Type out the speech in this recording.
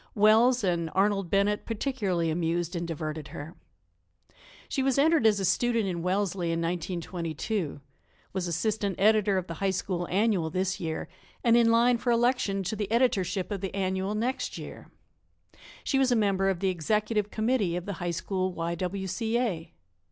Wells and Arnold Bennett particularly amused and diverted her. She was entered as a student in Wellesley in 1922; was assistant editor of the High School Annual this year, and in line for election to the editorship of the Annual next year. She was a member of the executive committee of the High School Y. W. C. A.